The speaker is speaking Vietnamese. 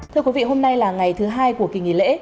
thưa quý vị hôm nay là ngày thứ hai của kỳ nghỉ lễ